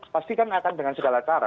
pastikan akan dengan segala cara